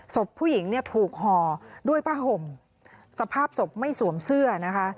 ศพผู้หญิงเนี่ยถูกห่อด้วยผ้าห่มสภาพศพไม่สวมเสื้อนะคะ